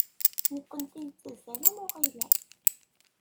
Nekkenti nettazzal am uɣilas.